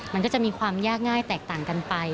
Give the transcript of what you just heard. มันก็จะมีความยากง่ายแตกต่างกันไป